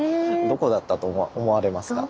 どこだったと思われますか？